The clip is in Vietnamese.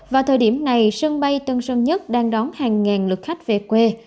vào thời điểm này sân bay tân sơn nhất đang đón hàng ngàn lượt khách về quê